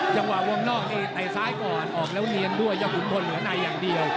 ต่างให้ออกแล้วโหมดเดี่ยว